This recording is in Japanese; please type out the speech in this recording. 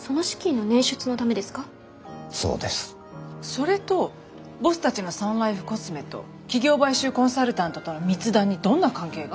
それとボスたちのサンライフコスメと企業買収コンサルタントとの密談にどんな関係が？